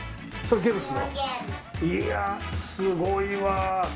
いやすごいわ！